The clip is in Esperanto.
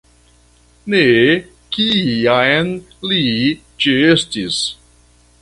Ne kiam li ĉeestis.